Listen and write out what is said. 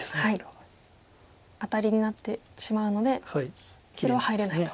アタリになってしまうので白は入れないと。